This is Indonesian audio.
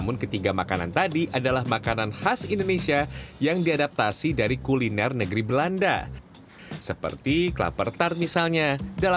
makanan makanan ini asalnya dari mana